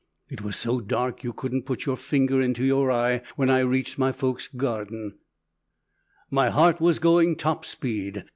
It was so dark you couldn't put your finger into your eye when I reached my folk's garden. "My heart was going top speed.